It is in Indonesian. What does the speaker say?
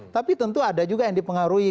tapi tentu ada juga yang dipengaruhi